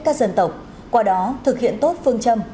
các dân tộc qua đó thực hiện tốt phương châm